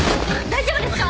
大丈夫ですか？